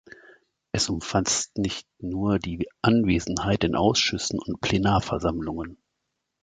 Es umfasst nicht nur die Anwesenheit in Ausschüssen und Plenarversammlungen.